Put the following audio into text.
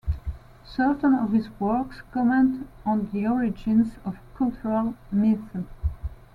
Certain of his works comment on the origins of cultural myths.